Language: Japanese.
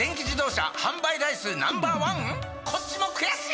こっちも悔しい！